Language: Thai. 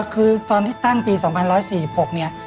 คือตอนที่ตั้งปี๒๑๔๖เนี่ย